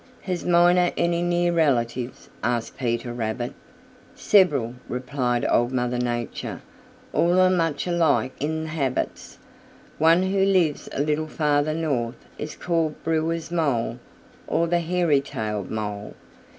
"Has Miner any near relatives?" asked Peter Rabbit. "Several," replied Old Mother Nature. "All are much alike in habits. One who lives a little farther north is called Brewer's Mole or the Hairytailed Mole.